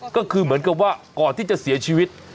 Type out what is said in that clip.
ก็คือเหมือนกับว่าก่อนที่จะเสียชีวิต